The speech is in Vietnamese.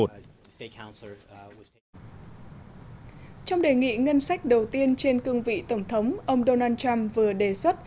trong đề nghị ngân sách đầu tiên trên cương vị tổng thống ông donald trump vừa đề xuất